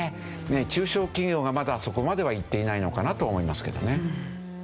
中小企業がまだそこまではいっていないのかなと思いますけどね。